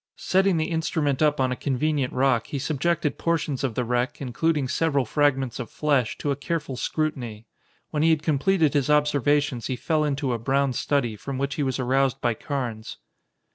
Setting the instrument up on a convenient rock, he subjected portions of the wreck, including several fragments of flesh, to a careful scrutiny. When he had completed his observations he fell into a brown study, from which he was aroused by Carnes.